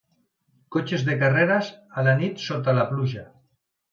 Cotxes de carreres a la nit sota la pluja.